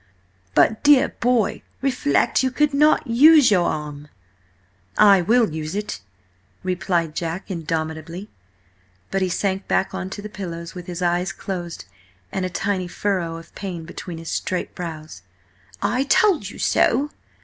"But, dear boy, reflect! You could not use your arm." "I will use it!" replied Jack indomitably, but he sank back on to the pillows with his eyes closed and a tiny furrow of pain between his straight brows. "I told you so!"